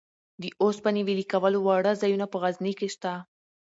د اوسپنې ویلې کولو واړه ځایونه په غزني کې شته.